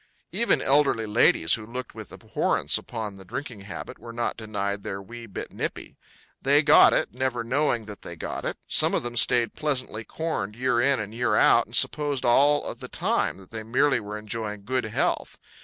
Even elderly ladies who looked with abhorrence upon the drinking habit were not denied their wee bit nippy. They got it, never knowing that they got it. Some of them stayed pleasantly corned year in and year out and supposed all the time they merely were enjoying good health.